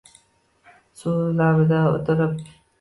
Suv labida o’ltirib.